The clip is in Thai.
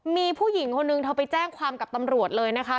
มีผู้หญิงคนนึงเธอไปแจ้งความกับตำรวจเลยนะคะ